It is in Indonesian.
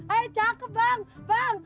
eh cakep bang bang